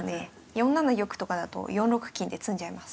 ４七玉とかだと４六金で詰んじゃいます。